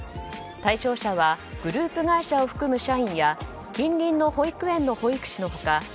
対象者はグループ会社を含む社員や近隣の保育園の保育士の他